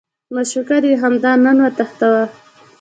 معشوقه دې همدا نن وتښتوه.